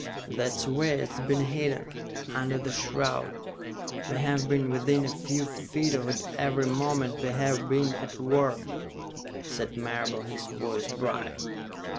"That's where it's been hidden, under the shroud. We've been within a few feet of it every moment we've been at work," said Marable, his voice dry.